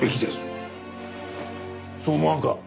そう思わんか？